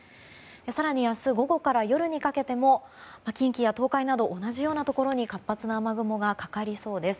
更に明日午後から夜にかけても近畿や東海など同じようなところに活発な雨雲がかかりそうです。